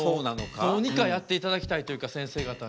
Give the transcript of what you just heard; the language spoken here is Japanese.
どうにかやっていただきたいというかせんせい方に。